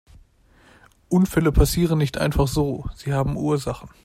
Unfälle passieren nicht einfach so, sie haben Ursachen.